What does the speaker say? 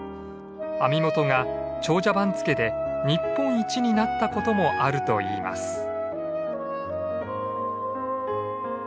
網元が長者番付で日本一になったこともあるといいます。